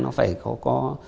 nó phải có